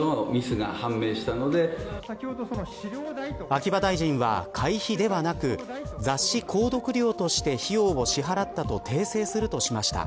秋葉大臣は会費ではなく雑誌購読料として費用を支払ったと訂正するとしました。